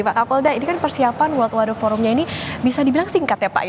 pak kapolda ini kan persiapan world water forumnya ini bisa dibilang singkat ya pak